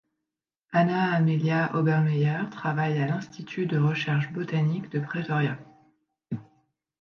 Anna Amelia Obermeyer travaille à l'Institut de Recherche Botanique de Pretoria.